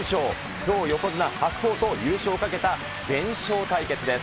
きょう横綱・白鵬と優勝をかけた全勝対決です。